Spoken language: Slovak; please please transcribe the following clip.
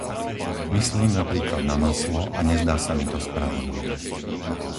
Myslím napríklad na maslo a nezdá sa mi to spravodlivé.